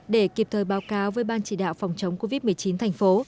để kịp thời báo cáo với ban chỉ đạo phòng chống covid một mươi chín thành phố